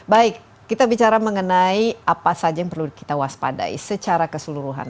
baik kita bicara mengenai apa saja yang perlu kita waspadai secara keseluruhan